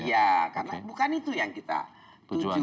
iya karena bukan itu yang kita tuju